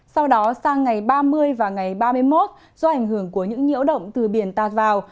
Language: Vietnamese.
sau đó sang ngày ba mươi và ngày ba mươi một do ảnh hưởng của những nhiễu động từ biển tạt vào